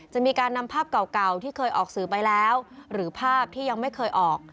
จะมีการนำภาพเก่าที่เคยออกสื่อไปแล้วหรือภาพที่ยังไม่เคยออก